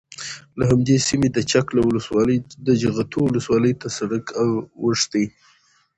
له همدې سیمې د چک له ولسوالۍ د جغتو ولسوالۍ ته سرک اوښتی،